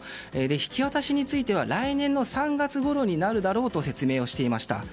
引き渡しについては来年の３月ごろになるだろうと説明をしていました。